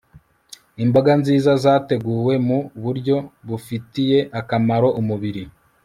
imboga nziza zateguwe mu buryo bufitiye akamaro umubiri